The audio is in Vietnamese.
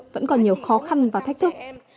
vẫn còn nhiều khó khăn và thách thức